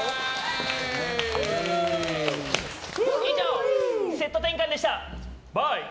以上、セット転換でした。